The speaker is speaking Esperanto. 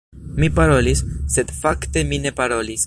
Mi parolis, sed fakte mi ne parolis.